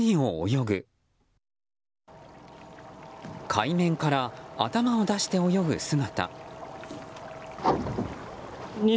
海面から頭を出して泳ぐ姿。